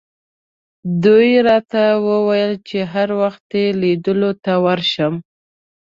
دوی راته وویل چې هر وخت یې لیدلو ته ورشم.